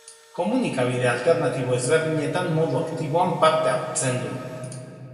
Komunikabide alternatibo ezberdinetan modu aktiboan parte hartzen du.